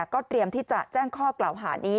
ก็เตรียมที่จะแจ้งข้อกล่าวหานี้